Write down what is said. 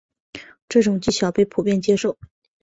这种技巧被普遍接受。